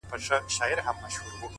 هره پریکړه مسؤلیت زیږوي؛